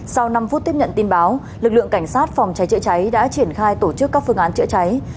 sau năm phút tiếp nhận tin báo lực lượng cảnh sát phòng cháy chữa cháy đã triển khai tổ chức các phương án chữa cháy